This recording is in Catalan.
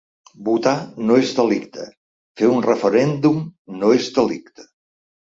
Votar no és delicte, fer un referèndum no és delicte.